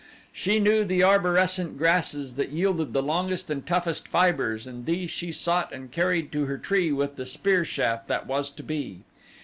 She knew the arborescent grasses that yielded the longest and toughest fibers and these she sought and carried to her tree with the spear shaft that was to be.